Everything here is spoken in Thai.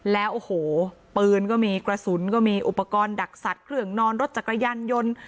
แล้วโอ้โหปืนก็มีกระสุนก็มีอุปกรณ์ดักสัตว์เครื่องนอนรถจักรยานยนต์